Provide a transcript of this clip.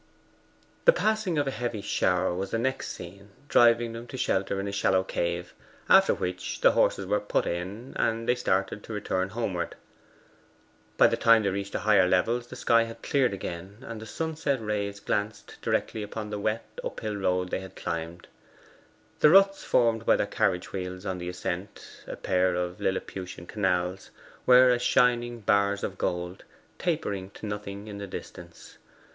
The passing of a heavy shower was the next scene driving them to shelter in a shallow cave after which the horses were put in, and they started to return homeward. By the time they reached the higher levels the sky had again cleared, and the sunset rays glanced directly upon the wet uphill road they had climbed. The ruts formed by their carriage wheels on the ascent a pair of Liliputian canals were as shining bars of gold, tapering to nothing in the distance.